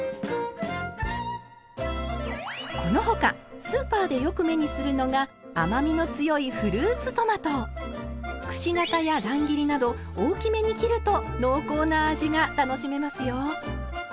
この他スーパーでよく目にするのが甘みの強いくし形や乱切りなど大きめに切ると濃厚な味が楽しめますよ。